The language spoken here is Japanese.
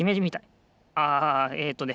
あえっとね